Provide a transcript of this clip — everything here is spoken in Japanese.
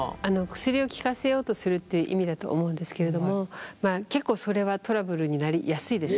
薬を効かせようとするっていう意味だと思うんですけれどもまあ結構それはトラブルになりやすいですね。